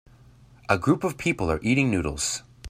A group of people are eating noddles.